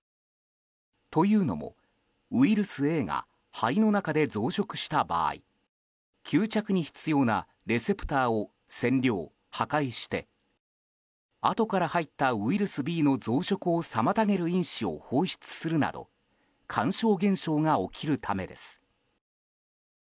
というのも、ウイルスＡが肺の中で増殖した場合吸着に必要なレセプターを占領・破壊してあとから入ったウイルスＢの増殖を妨げる因子を放出するなど干渉現象が起きるためです。